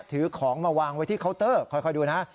ถือของมาวางไว้ที่เคาน์เตอร์ค่อยดูนะ